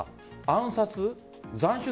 暗殺？